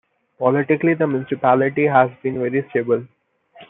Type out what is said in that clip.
Politically the municipality has been very stable.